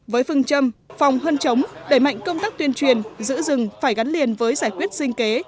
với phương châm phòng hơn chống đẩy mạnh công tác tuyên truyền giữ rừng phải gắn liền với giải quyết sinh kế